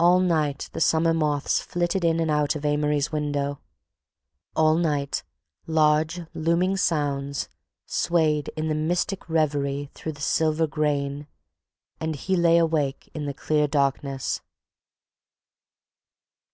All night the summer moths flitted in and out of Amory's window; all night large looming sounds swayed in mystic revery through the silver grain—and he lay awake in the clear darkness.